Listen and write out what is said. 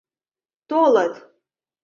Толыт!